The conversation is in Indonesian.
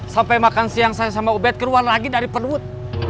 sampai makan siang saya sama ubed keluar lagi dari perut